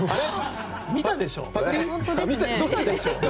見たでしょ？